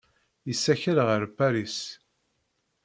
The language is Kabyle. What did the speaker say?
Yessakel ɣer Paris.